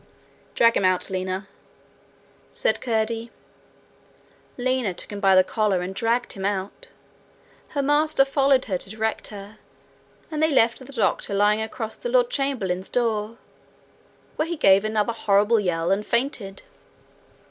'Drag him out, Lina,' said Curdie. Lina took him by the collar, and dragged him out. Her master followed her to direct her, and they left the doctor lying across the lord chamberlain's door, where he gave another horrible yell, and fainted.